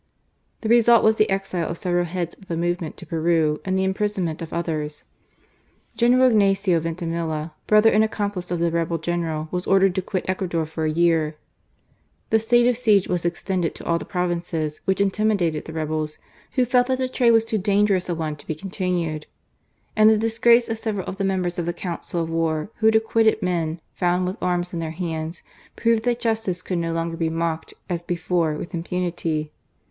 The result was the exile of several heads of the movement to Peru and the imprisonment of others. General Ignacio Vintimilla, brother, and accomplice of the rebel General, was ordered to quit Ecuador Mi " GARC14 MOftENQ. fpr a year. The state qi 9fi^;e was extended i|o a|) the provinccsj which intimidated the reb<^, wb^ fek that the trade was too dangeioiis a one te be ccmtinued. And the disgprace ci several of .tfa^ members of the Council 0f War, who had acqiuttedi men found with arms in th^ hands,. proved tbot justice could no longer be mocked, as before^ ^vitb impunity.